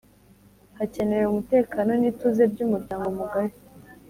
hakenewe umutekano n’ituze by’umuryango mugari